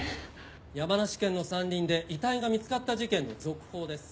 「山梨県の山林で遺体が見つかった事件の続報です」